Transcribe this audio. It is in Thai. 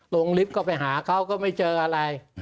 ลิฟต์ก็ไปหาเขาก็ไม่เจออะไร